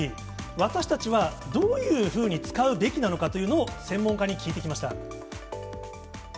私たちはどういうふうに使うべきなのかというのを、専門家に聞いてきました。